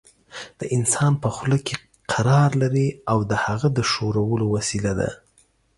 د انسان په خوله کې قرار لري او د هغه د ښورولو وسیله ده.